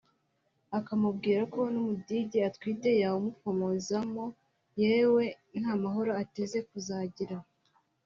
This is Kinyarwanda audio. akamubwira ko n’umudigi atwite yawufomozamo yewe nta n’amahoro ateze kuzagira